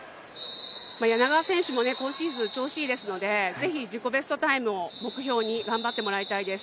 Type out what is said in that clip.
柳川選手も今シーズン調子いいですので、自己ベストタイムを目標に頑張ってもらいたいと思います。